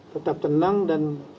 tetap tenang dan